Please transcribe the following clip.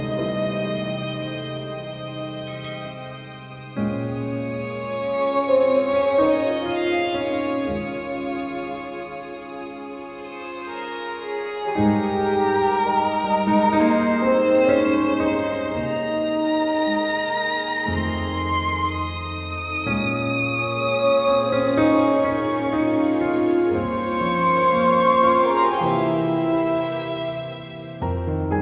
kayaknya mendengar itu